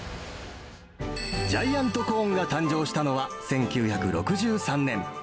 ジャイアントコーンが誕生したのは、１９６３年。